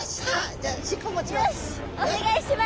じゃあ尻尾持ちます。